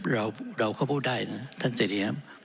เราก็พูดได้นะท่านเจดีครับ